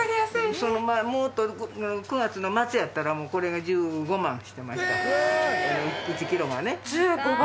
その前もっと９月の末やったらもうこれが１５万してました１キロがね１５万？